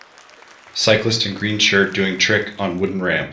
Cyclist in green shirt doing trick on wooden ramp